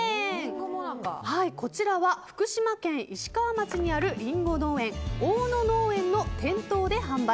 こちらは福島県石川町にあるリンゴ農園大野農園の店頭で販売。